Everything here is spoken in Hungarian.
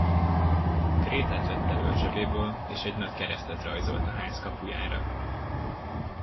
Krétát vett elő a zsebéből, és egy nagy keresztet rajzolt a ház kapujára.